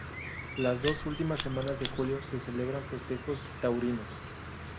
Las dos últimas semanas de julio se celebran festejos taurinos.